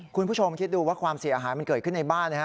คุณผู้ชมคิดดูว่าความเสียอาหารที่เกิดขึ้นในบ้าน